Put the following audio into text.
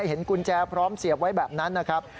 เห็นกุญแจพร้อมเสียบไว้แบบนั้นนะครับ